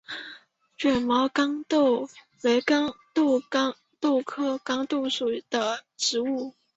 卷毛豇豆为豆科豇豆属的植物。